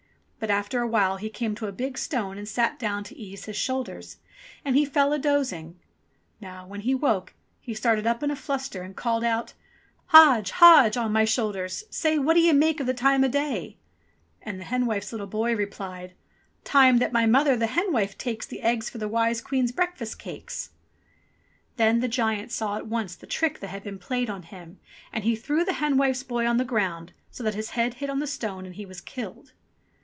But after a while he came to a big stone and sat down to ease his shoulders. And he fell a dozing. Now, when he woke, he started up in a fluster, and called out : "Hodge, Hodge, on my shoulders ! Say What d'ye make the time o' day ?" And the hen wife's little boy replied : "Time that my mother the hen wife takes The eggs for the wise Queen's breakfast cakes !" i82 ENGLISH FAIRY TALES Then the giant saw at once the trick that had been played on him, and he threw the hen wife's boy on the ground, so that his head hit on the stone and he was killed.